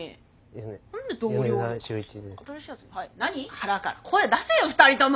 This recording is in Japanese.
腹から声出せよ２人とも。